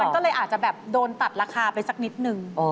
ก็เลยอาจจะแบบโดนตัดราคาไปสักนิดนึง